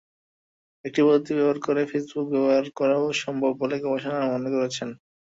একই পদ্ধতি ব্যবহার করে ফেসবুক ব্যবহার করাও সম্ভব বলে গবেষকেরা মনে করছেন।